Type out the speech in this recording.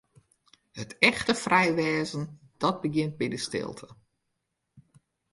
It echte frij wêzen, dat begjint by de stilte.